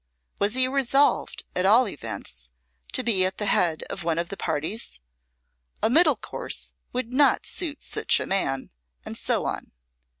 Was he resolved, at all events, to be at the head of one of the parties? A middle course would not suit such a man; and so on.